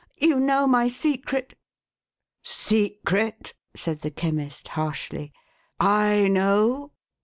You know my secret !"" Secret ?" said the Chemist, harshly. "/ know